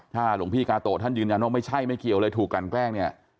ถ้าหลวงพี่กาโตะท่านยืนยันว่าไม่ใช่ไม่เกี่ยวเลยถูกกันแกล้งเนี่ย